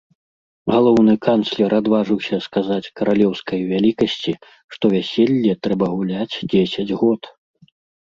Галоўны канцлер адважыўся сказаць каралеўскай вялікасці, што вяселле трэба гуляць дзесяць год.